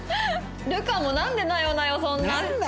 流佳もなんでなよなよそんな。